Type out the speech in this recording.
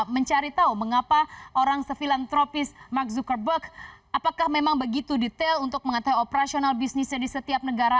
mencari tahu mengapa orang se filantropis mark zuckerberg apakah memang begitu detail untuk mengetahui operasional bisnisnya di setiap negara